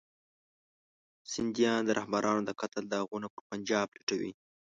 سندیان د رهبرانو د قتل داغونه پر پنجاب لټوي.